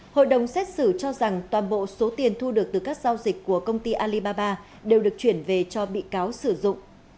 hội đồng xét xử cho rằng toàn bộ số tiền thu được từ các giao dịch của công ty alibaba đều được chuyển về cho bị cáo sử dụng